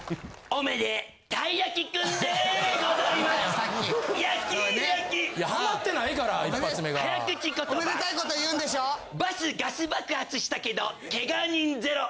・おめでたいこと言うんでしょ・バスガス爆発したけど怪我人ゼロ。